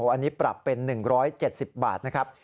อันนี้ปรับเป็น๑๗๐บาทนะครับ